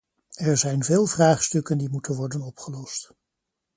Er zijn veel vraagstukken die moeten worden opgelost.